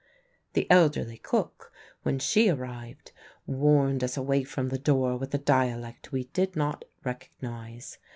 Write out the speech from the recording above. The elderly cook when she arrived warned us away from the door with a dialect we did not recognise.